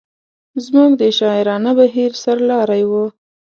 زموږ د شاعرانه بهیر سر لاری و.